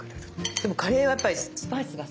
でもカレーはやっぱりスパイスがすごい。